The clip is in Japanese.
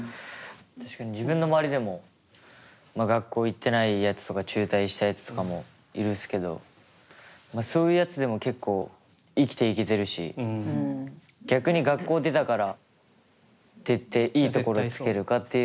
確かに自分の周りでも学校行ってないやつとか中退したやつとかもいるっすけどまあそういうやつでも結構生きていけてるし逆に学校出たからといっていいところに就けるかっていうのはまた違うし。